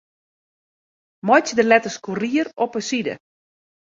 Meitsje de letters Courier op 'e side.